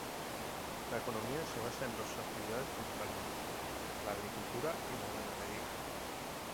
La economía se basa en dos actividades principalmente, la agricultura y la ganadería.